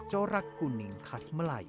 corak kuning khas melayu